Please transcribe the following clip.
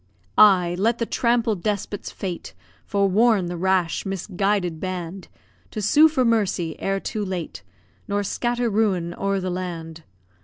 Ay! Let the trampled despot's fate Forewarn the rash, misguided band To sue for mercy, ere too late, Nor scatter ruin o'er the land.